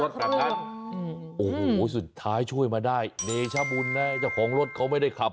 เขาไม่ได้ยินเหรอเนาะ